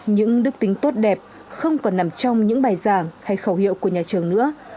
những đức tính tốt đẹp không còn nằm trong những bài giảng hay khẩu hiệu của nhà trường nữa